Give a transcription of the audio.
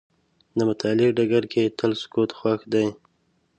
د مطالعې ډګر کې تل سکوت خوښ دی.